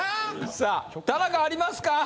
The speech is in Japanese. さあ田中ありますか？